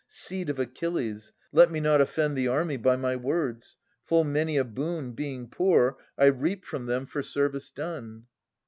Seed of Achilles, let me not offend The army by my words ! Full many a boon, Being poor, I reap from them for service done.